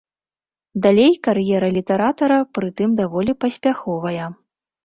Далей кар'ера літаратара, прытым даволі паспяховая.